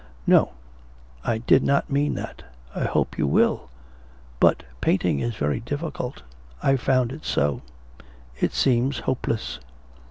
'No. I did not mean that. I hope you will. But painting is very difficult. I've found it so. It seems hopeless.'